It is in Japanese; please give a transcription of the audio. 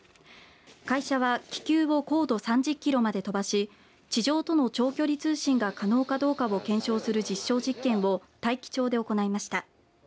会社は気球を高度３０キロまで飛ばし地上との長距離通信が可能かどうかを検証する実証実験を大樹町で行いました。